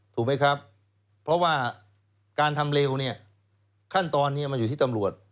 ถูกไหมครับเพราะว่าการทำเร็วเนี่ยขั้นตอนนี้มันอยู่ที่ตำรวจ